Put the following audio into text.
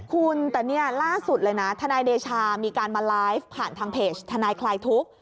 คุณแต่นี่ล่าสุดเลยนะทนายเดชามีการมาไลฟ์ผ่านทางเพจทนายคลายทุกข์